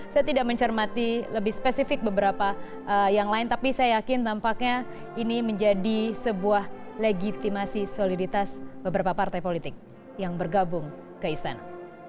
saya tidak mencermati lebih spesifik beberapa yang lain tapi saya yakin tampaknya ini menjadi sebuah legitimasi soliditas beberapa partai politik yang bergabung ke istana